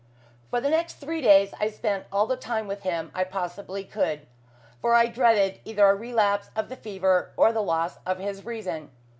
For the next three days I spent all the time with him I possibly could, for I dreaded either a relapse of the fever or the loss of his reason.